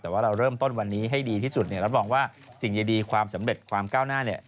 แต่ว่าเราเริ่มต้นวันนี้ให้ดีที่สุดเนี่ยรับรองว่าสิ่งดีความสำเร็จความก้าวหน้าเนี่ย